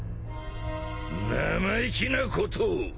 生意気なことを！